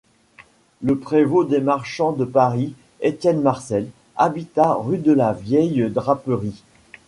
Le prévôt des marchands de Paris, Étienne Marcel, habita rue de la Vieille-Draperie.